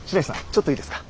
ちょっといいですか。